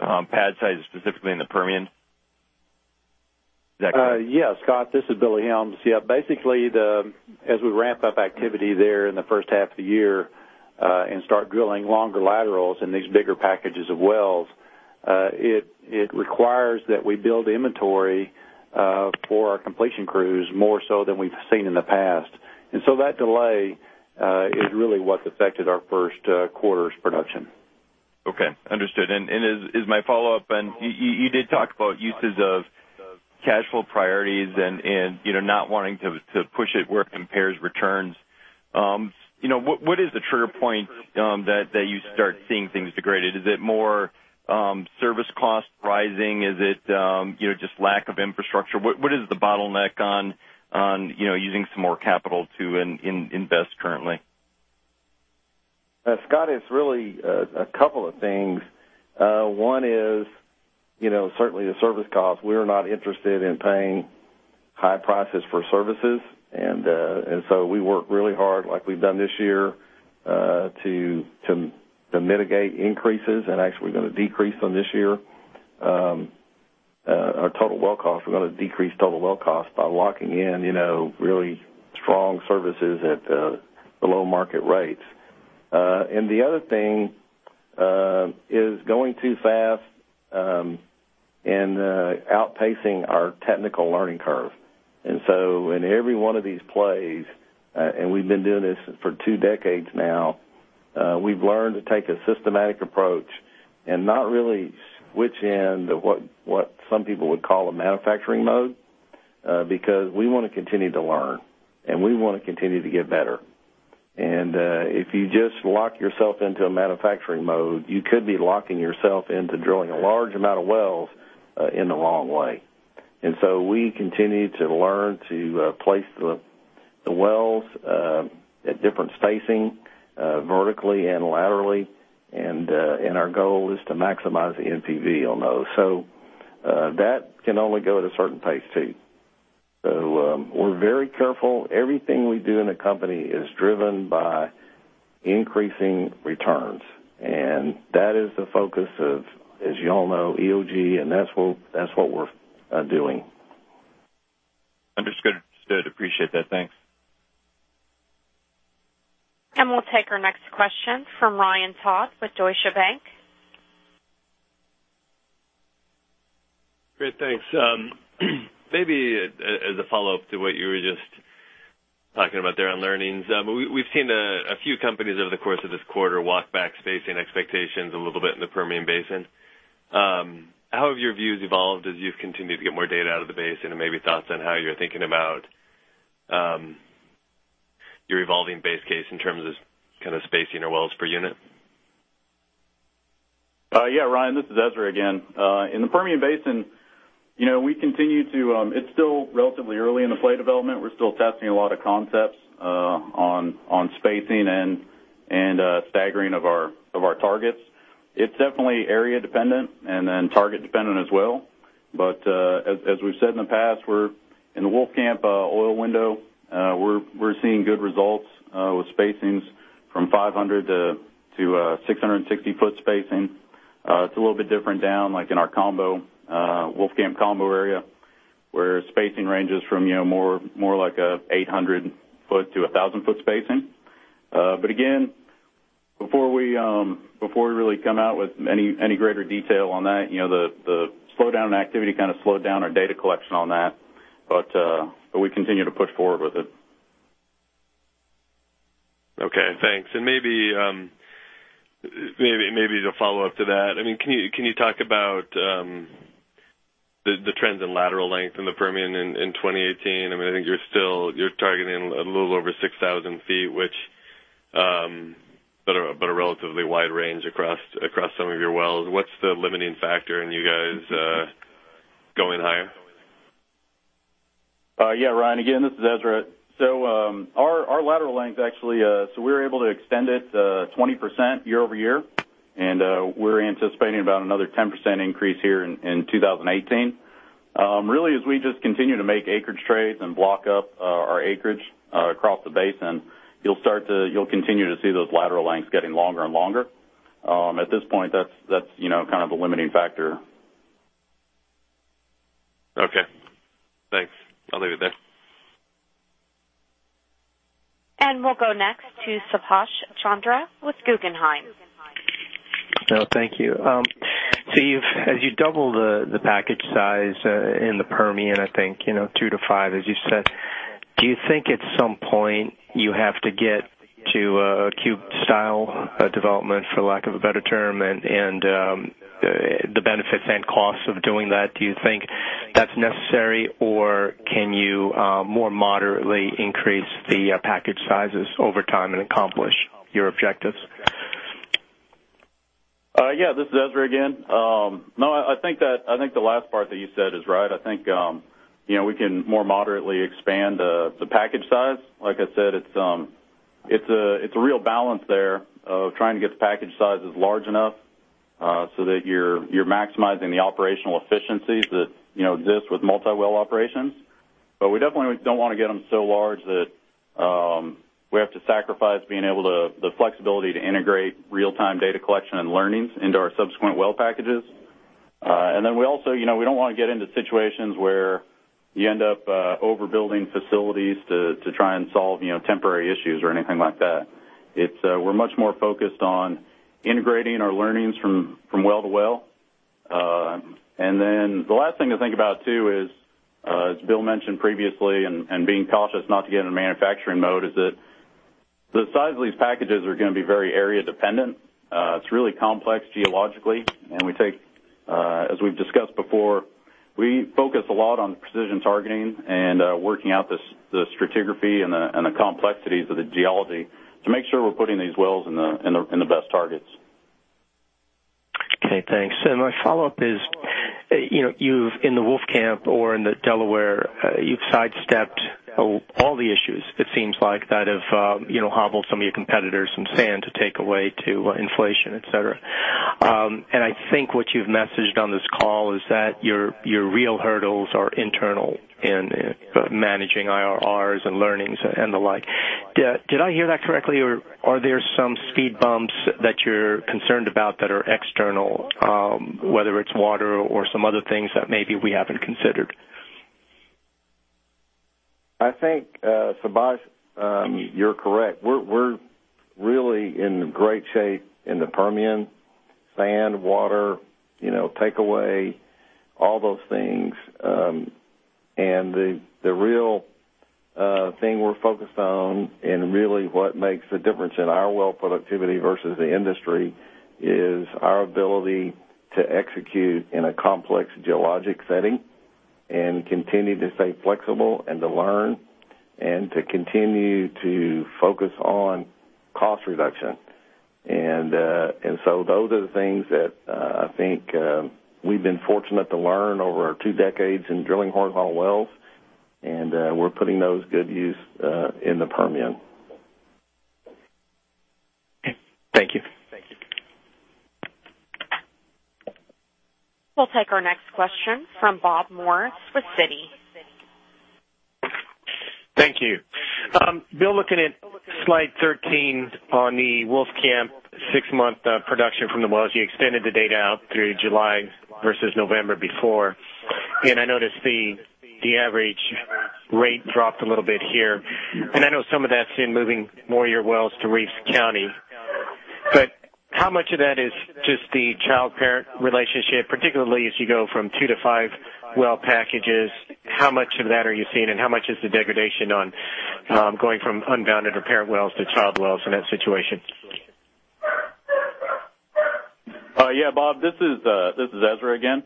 pad sizes specifically in the Permian? Is that correct? Scott, this is Billy Helms. Basically, as we ramp up activity there in the first half of the year and start drilling longer laterals in these bigger packages of wells, it requires that we build inventory for our completion crews more so than we've seen in the past. That delay is really what's affected our first quarter's production. Okay, understood. As my follow-up, you did talk about uses of cash flow priorities and not wanting to push it where it compares returns. What is the trigger point that you start seeing things degraded? Is it more service costs rising? Is it just lack of infrastructure? What is the bottleneck on using some more capital to invest currently? Scott, it's really a couple of things. One is certainly the service cost. We're not interested in paying high prices for services. We work really hard like we've done this year to mitigate increases and actually we're going to decrease them this year. Our total well cost, we're going to decrease total well cost by locking in really strong services at below market rates. The other thing is going too fast and outpacing our technical learning curve. In every one of these plays, we've been doing this for 2 decades now, we've learned to take a systematic approach and not really switch in to what some people would call a manufacturing mode, because we want to continue to learn, and we want to continue to get better. If you just lock yourself into a manufacturing mode, you could be locking yourself into drilling a large amount of wells in the wrong way. We continue to learn to place the wells at different spacing vertically and laterally, and our goal is to maximize the NPV on those. That can only go at a certain pace, too. We're very careful. Everything we do in the company is driven by increasing returns. That is the focus of, as you all know, EOG, and that's what we're doing. Understood. Appreciate that. Thanks. We'll take our next question from Ryan Todd with Deutsche Bank. Great. Thanks. Maybe as a follow-up to what you were just talking about there on learnings, we've seen a few companies over the course of this quarter walk back spacing expectations a little bit in the Permian Basin. How have your views evolved as you've continued to get more data out of the basin, and maybe thoughts on how you're thinking about your evolving base case in terms of kind of spacing or wells per unit? Yeah, Ryan, this is Ezra again. In the Permian Basin, it's still relatively early in the play development. We're still testing a lot of concepts on spacing and staggering of our targets. It's definitely area dependent and then target dependent as well. As we've said in the past, in the Wolfcamp oil window, we're seeing good results with spacings from 500 to 660 foot spacing. It's a little bit different down like in our Wolfcamp combo area, where spacing ranges from more like a 800 foot to 1,000 foot spacing. Again, before we really come out with any greater detail on that, the slowdown in activity kind of slowed down our data collection on that. We continue to push forward with it. Okay, thanks. Maybe to follow up to that, can you talk about the trends in lateral length in the Permian in 2018? I think you're targeting a little over 6,000 feet, which but a relatively wide range across some of your wells. What's the limiting factor in you guys going higher? Ryan, again, this is Ezra. Our lateral length, actually, we were able to extend it 20% year-over-year, and we're anticipating about another 10% increase here in 2018. Really, as we just continue to make acreage trades and block up our acreage across the basin, you'll continue to see those lateral lengths getting longer and longer. At this point, that's kind of a limiting factor. Okay. Thanks. I'll leave it there. We'll go next to Subash Chandra with Guggenheim. Thank you. Steve, as you double the package size in the Permian, I think two to five, as you said, do you think at some point you have to get to a cube style development, for lack of a better term, and the benefits and costs of doing that? Do you think that's necessary, or can you more moderately increase the package sizes over time and accomplish your objectives? Yeah. This is Ezra again. No, I think the last part that you said is right. I think we can more moderately expand the package size. Like I said, it's a real balance there of trying to get the package sizes large enough so that you're maximizing the operational efficiencies that exist with multi-well operations. We definitely don't want to get them so large that we have to sacrifice the flexibility to integrate real-time data collection and learnings into our subsequent well packages. We also don't want to get into situations where you end up overbuilding facilities to try and solve temporary issues or anything like that. We're much more focused on integrating our learnings from well to well. The last thing to think about too is, as Bill mentioned previously, and being cautious not to get into manufacturing mode, is that the size of these packages are going to be very area dependent. It's really complex geologically, and as we've discussed before, we focus a lot on precision targeting and working out the stratigraphy and the complexities of the geology to make sure we're putting these wells in the best targets. Okay, thanks. My follow-up is, in the Wolfcamp or in the Delaware, you've sidestepped all the issues, it seems like, that have hobbled some of your competitors from sand to takeaway to inflation, et cetera. I think what you've messaged on this call is that your real hurdles are internal in managing IRRs and learnings and the like. Did I hear that correctly, or are there some speed bumps that you're concerned about that are external, whether it's water or some other things that maybe we haven't considered? I think, Subash, you're correct. We're really in great shape in the Permian. Sand, water, takeaway, all those things. The real thing we're focused on and really what makes the difference in our well productivity versus the industry is our ability to execute in a complex geologic setting and continue to stay flexible and to learn and to continue to focus on cost reduction. Those are the things that I think we've been fortunate to learn over our two decades in drilling horizontal wells, and we're putting those good use in the Permian. Okay. Thank you. We'll take our next question from Bob Morris with Citi. Thank you. Bill, looking at slide 13 on the Wolfcamp six-month production from the wells, you extended the date out through July versus November before, I noticed the average rate dropped a little bit here. I know some of that's in moving more of your wells to Reeves County, but how much of that is just the child-parent relationship, particularly as you go from two to five well packages? How much of that are you seeing, and how much is the degradation on going from unbounded or parent wells to child wells in that situation? Yeah, Bob, this is Ezra again.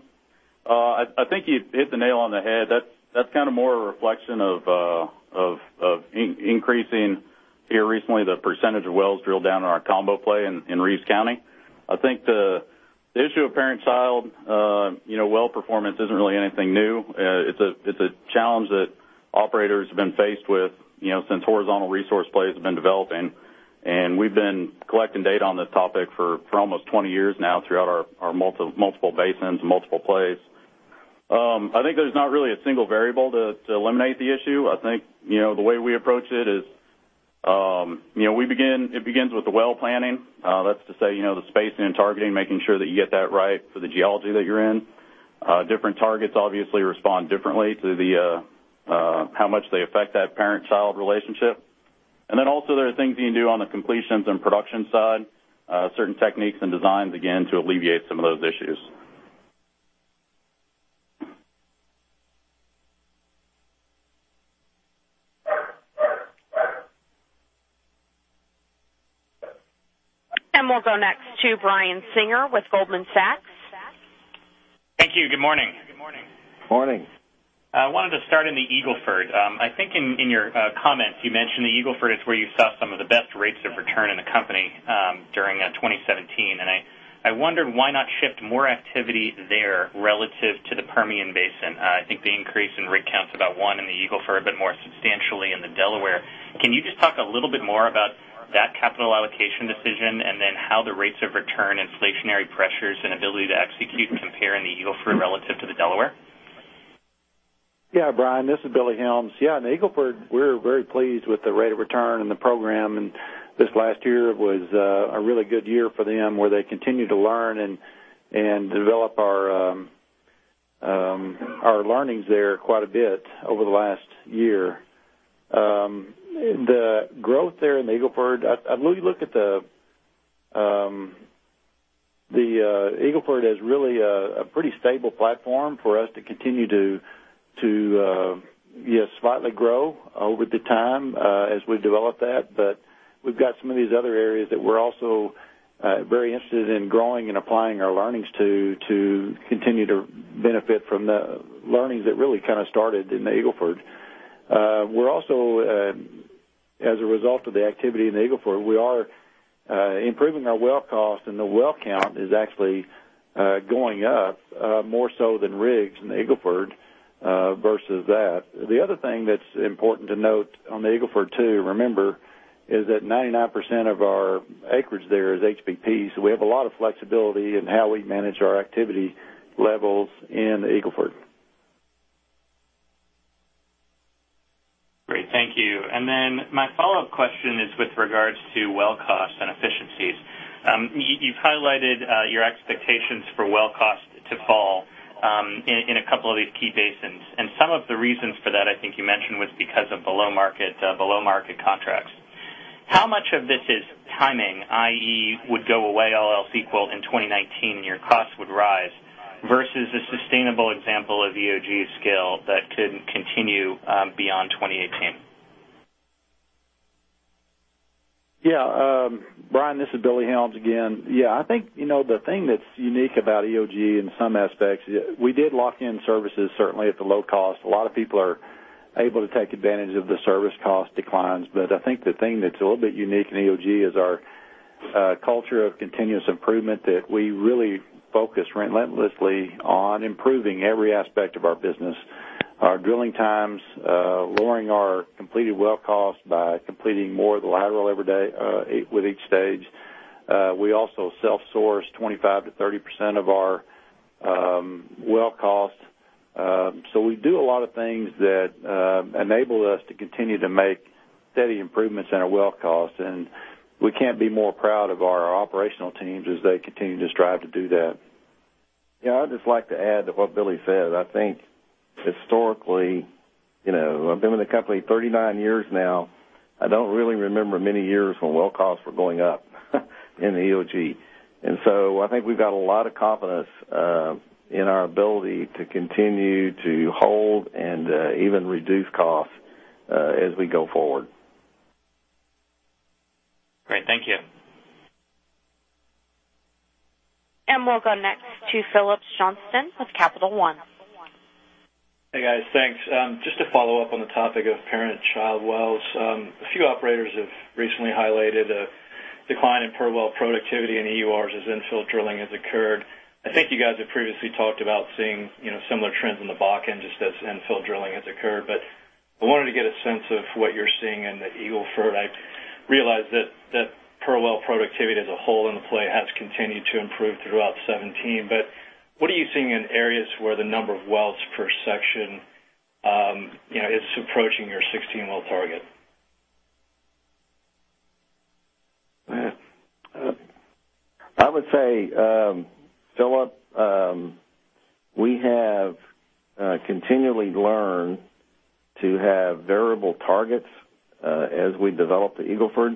I think you hit the nail on the head. That's more a reflection of increasing here recently the percentage of wells drilled down in our combo play in Reeves County. I think the issue of parent-child well performance isn't really anything new. It's a challenge that operators have been faced with since horizontal resource plays have been developing, and we've been collecting data on this topic for almost 20 years now throughout our multiple basins and multiple plays. I think there's not really a single variable to eliminate the issue. I think, the way we approach it is, it begins with the well planning. That's to say, the spacing and targeting, making sure that you get that right for the geology that you're in. Different targets obviously respond differently to how much they affect that parent-child relationship. There are things you can do on the completions and production side, certain techniques and designs, again, to alleviate some of those issues. We'll go next to Brian Singer with Goldman Sachs. Thank you. Good morning. Morning. I wanted to start in the Eagle Ford. I think in your comments, you mentioned the Eagle Ford is where you saw some of the best rates of return in the company during 2017, and I wondered why not shift more activity there relative to the Permian Basin. I think the increase in rig count's about one in the Eagle Ford, but more substantially in the Delaware. Can you just talk a little bit more about that capital allocation decision and then how the rates of return, inflationary pressures, and ability to execute compare in the Eagle Ford relative to the Delaware? Yeah, Brian, this is Billy Helms. In the Eagle Ford, we're very pleased with the rate of return and the program. This last year was a really good year for them, where they continued to learn and develop our learnings there quite a bit over the last year. The growth there in the Eagle Ford, the Eagle Ford has really a pretty stable platform for us to continue to slightly grow over the time as we develop that. We've got some of these other areas that we're also very interested in growing and applying our learnings to continue to benefit from the learnings that really kind of started in the Eagle Ford. As a result of the activity in the Eagle Ford, we are improving our well cost, and the well count is actually going up more so than rigs in the Eagle Ford versus that. The other thing that's important to note on the Eagle Ford, too, remember, is that 99% of our acreage there is HBP, so we have a lot of flexibility in how we manage our activity levels in the Eagle Ford. Great, thank you. My follow-up question is with regards to well cost and efficiencies. You've highlighted your expectations for well cost to fall in a couple of these key basins, and some of the reasons for that, I think you mentioned, was because of below-market contracts. How much of this is timing, i.e., would go away all else equal in 2019, and your costs would rise, versus a sustainable example of EOG scale that could continue beyond 2018? Yeah. Brian, this is Billy Helms again. I think the thing that's unique about EOG in some aspects, we did lock in services certainly at the low cost. A lot of people are able to take advantage of the service cost declines, I think the thing that's a little bit unique in EOG is our culture of continuous improvement that we really focus relentlessly on improving every aspect of our business. Our drilling times, lowering our completed well cost by completing more of the lateral every day with each stage. We also self-source 25%-30% of our well costs. We do a lot of things that enable us to continue to make steady improvements in our well costs, and we can't be more proud of our operational teams as they continue to strive to do that. Yeah, I'd just like to add to what Billy said. I think historically, I've been with the company 39 years now, I don't really remember many years when well costs were going up in EOG. I think we've got a lot of confidence in our ability to continue to hold and even reduce costs as we go forward. Great, thank you. We'll go next to Phillips Johnston with Capital One. Hey, guys. Thanks. Just to follow up on the topic of parent-child wells, a few operators have recently highlighted a decline in per well productivity in EURs as infill drilling has occurred. I think you guys have previously talked about seeing similar trends in the Bakken just as infill drilling has occurred, but I wanted to get a sense of what you're seeing in the Eagle Ford. I realize that per well productivity as a whole in play has continued to improve throughout 2017, but what are you seeing in areas where the number of wells per section is approaching your 16 well target? I would say, Phillips, we have continually learned to have variable targets as we develop the Eagle Ford.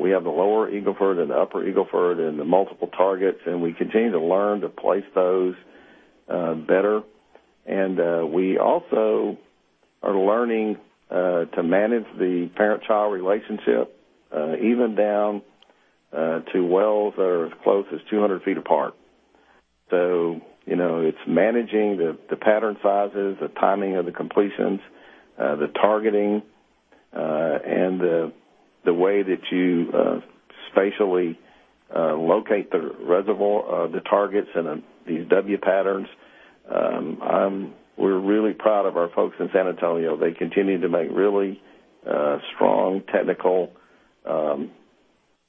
We have the lower Eagle Ford and the upper Eagle Ford and the multiple targets, and we continue to learn to place those better. We also are learning to manage the parent-child relationship even down to wells that are as close as 200 feet apart. It's managing the pattern sizes, the timing of the completions, the targeting, and the way that you spatially locate the reservoir of the targets and these W patterns. We're really proud of our folks in San Antonio. They continue to make really strong technical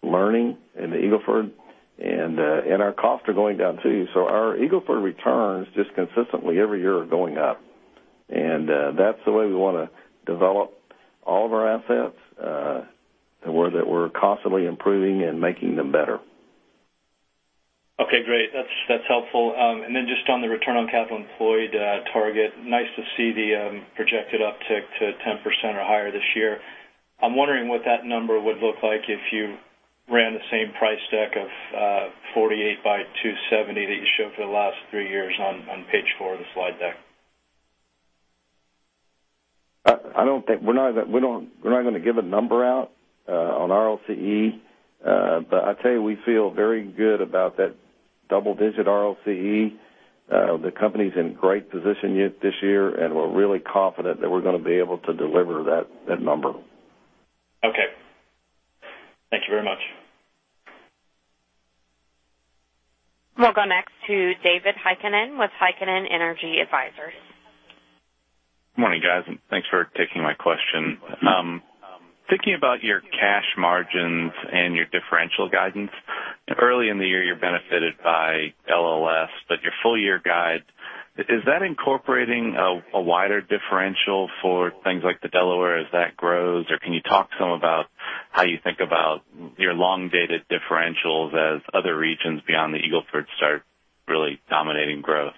learning in the Eagle Ford, and our costs are going down, too. Our Eagle Ford returns just consistently every year are going up, and that's the way we want to develop all of our assets, where that we're constantly improving and making them better. Okay, great. That's helpful. Just on the return on capital employed target, nice to see the projected uptick to 10% or higher this year. I'm wondering what that number would look like if you ran the same price deck of $48 by $270 that you showed for the last three years on page four of the slide deck. We're not going to give a number out on ROCE. I tell you, we feel very good about that double-digit ROCE. The company's in great position this year, and we're really confident that we're going to be able to deliver that number. Okay. Thank you very much. We'll go next to David Heikkinen with Heikkinen Energy Advisors. Good morning, guys. Thanks for taking my question. Thinking about your cash margins and your differential guidance, early in the year, you're benefited by LLS. Your full-year guide, is that incorporating a wider differential for things like the Delaware as that grows? Can you talk some about how you think about your long-dated differentials as other regions beyond the Eagle Ford start really dominating growth?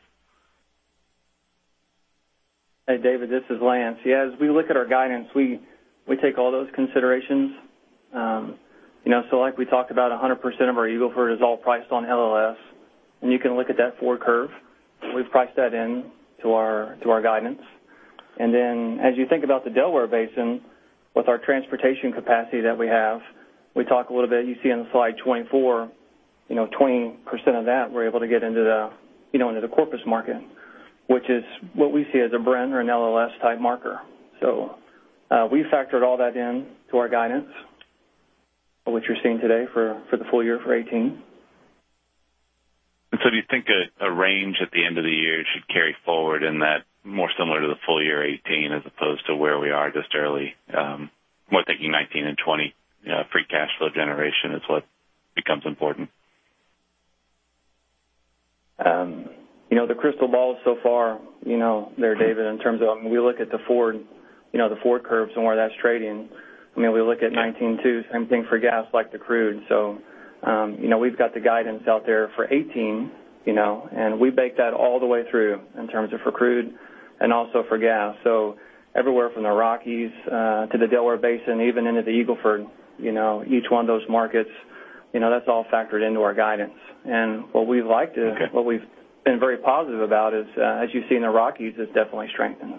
Hey, David, this is Lance. Yeah, as we look at our guidance, like we talked about, 100% of our Eagle Ford is all priced on LLS, and you can look at that forward curve. We've priced that into our guidance. As you think about the Delaware Basin, with our transportation capacity that we have, we talk a little bit, you see on slide 24, 20% of that, we're able to get into the Corpus market, which is what we see as a Brent or an LLS-type marker. We've factored all that into our guidance of what you're seeing today for the full year for 2018. Do you think a range at the end of the year should carry forward in that more similar to the full year 2018 as opposed to where we are just early, more thinking 2019 and 2020 free cash flow generation is what becomes important? The crystal ball so far there, David, in terms of when we look at the forward curve and where that's trading, we look at 2019 too, same thing for gas like the crude. We've got the guidance out there for 2018, and we bake that all the way through in terms of for crude and also for gas. Everywhere from the Rockies to the Delaware Basin, even into the Eagle Ford, each one of those markets, that's all factored into our guidance. What we've liked and what we've been very positive about is, as you see in the Rockies, it's definitely strengthened.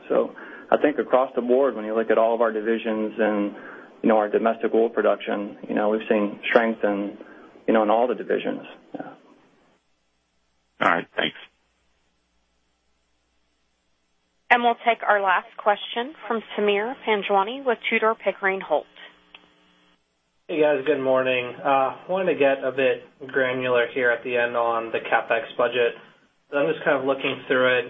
I think across the board, when you look at all of our divisions and our domestic oil production, we've seen strength in all the divisions. Yeah. All right. Thanks. We'll take our last question from Sameer Panjwani with Tudor, Pickering, Holt. Hey, guys. Good morning. Wanted to get a bit granular here at the end on the CapEx budget. I'm just looking through it.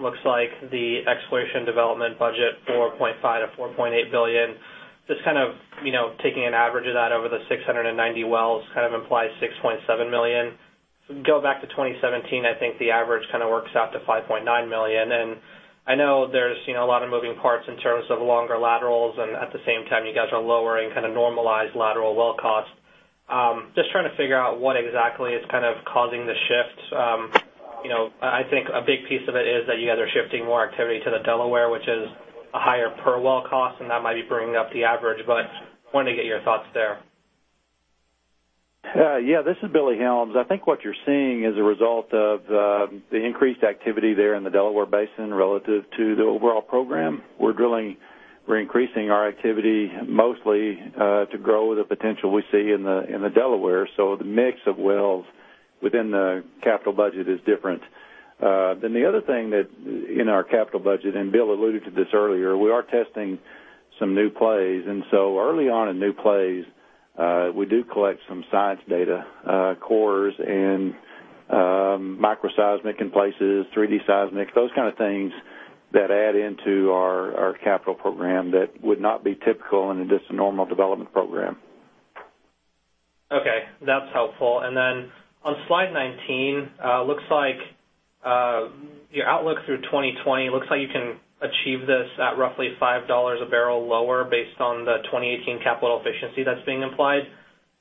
Looks like the exploration development budget, $4.5 billion-$4.8 billion. Just taking an average of that over the 690 wells implies $6.7 million. Go back to 2017, I think the average works out to $5.9 million. I know there's a lot of moving parts in terms of longer laterals, and at the same time, you guys are lowering normalized lateral well cost. Just trying to figure out what exactly is causing the shift. I think a big piece of it is that you guys are shifting more activity to the Delaware, which is a higher per well cost, and that might be bringing up the average, but wanted to get your thoughts there. Yeah, this is Billy Helms. I think what you're seeing is a result of the increased activity there in the Delaware Basin relative to the overall program. We're increasing our activity mostly to grow the potential we see in the Delaware. The mix of wells within the capital budget is different. The other thing that in our capital budget, and Bill alluded to this earlier, we are testing some new plays. Early on in new plays, we do collect some science data, cores and microseismic in places, 3D seismic, those kind of things that add into our capital program that would not be typical in just a normal development program. Okay, that's helpful. On slide 19, your outlook through 2020, looks like you can achieve this at roughly $5 a barrel lower based on the 2018 capital efficiency that's being implied.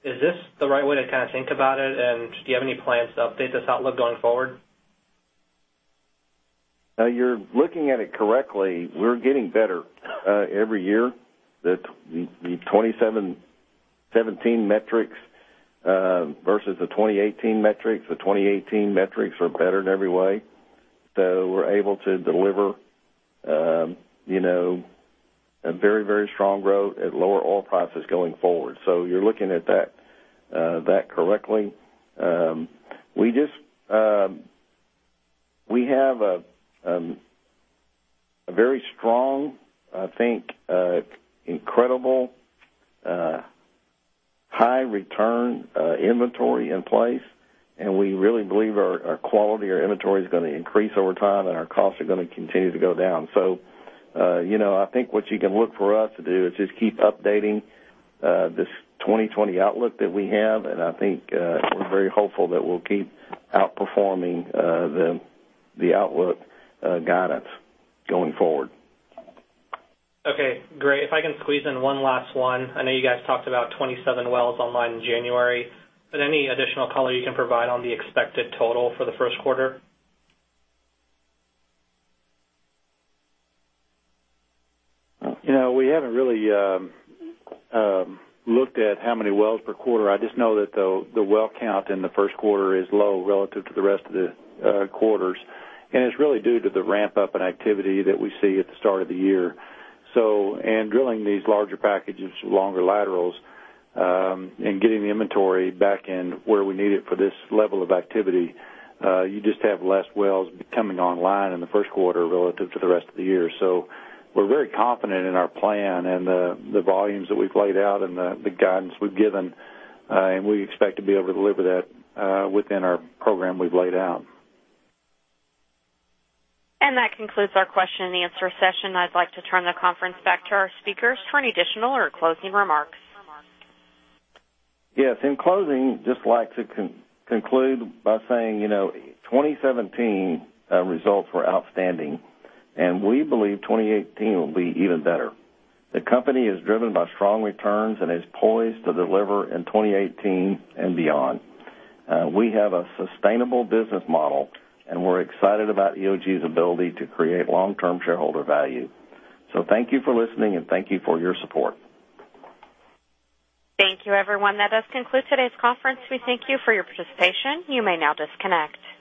Is this the right way to think about it? Do you have any plans to update this outlook going forward? You're looking at it correctly. We're getting better every year. The 2017 metrics versus the 2018 metrics, the 2018 metrics are better in every way. We're able to deliver a very strong growth at lower oil prices going forward. You're looking at that correctly. We have a very strong, I think, incredible high return inventory in place, and we really believe our quality or inventory is going to increase over time, and our costs are going to continue to go down. I think what you can look for us to do is just keep updating this 2020 outlook that we have, and I think we're very hopeful that we'll keep outperforming the outlook guidance going forward. Okay, great. If I can squeeze in one last one. I know you guys talked about 27 wells online in January, but any additional color you can provide on the expected total for the first quarter? We haven't really looked at how many wells per quarter. I just know that the well count in the first quarter is low relative to the rest of the quarters, and it's really due to the ramp-up in activity that we see at the start of the year. Drilling these larger packages, longer laterals, and getting the inventory back in where we need it for this level of activity, you just have less wells coming online in the first quarter relative to the rest of the year. We're very confident in our plan and the volumes that we've laid out and the guidance we've given, and we expect to be able to deliver that within our program we've laid out. That concludes our question and answer session. I'd like to turn the conference back to our speakers for any additional or closing remarks. Yes. In closing, just like to conclude by saying, 2017 results were outstanding, and we believe 2018 will be even better. The company is driven by strong returns and is poised to deliver in 2018 and beyond. We have a sustainable business model, and we're excited about EOG's ability to create long-term shareholder value. Thank you for listening, and thank you for your support. Thank you, everyone. That does conclude today's conference. We thank you for your participation. You may now disconnect.